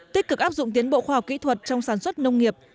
tích cực áp dụng tiến bộ khoa học kỹ thuật trong sản xuất nông nghiệp